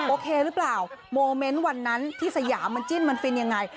โอเคหรือเปล่าโมเมนต์วันนั้นที่สยามมันจิ้นมันฟินยังไง